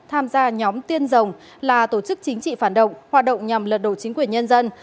tham gia nhóm tiên rồng là tổ chức chính trị phản động hoạt động nhằm lật đổ chính quyền nhân dân